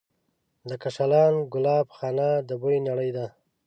د کاشان ګلابخانه د بوی نړۍ ده.